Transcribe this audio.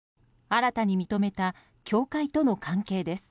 新たに認めた教会との関係です。